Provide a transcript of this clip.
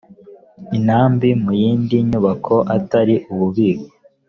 intambi mu yindi nyubako atari mu bubiko